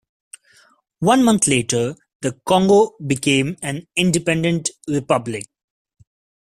One month later, the Congo became an independent republic.